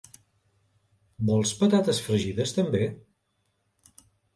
Vols patates fregides també?